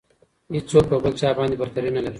هیڅوک په بل چا باندې برتري نه لري.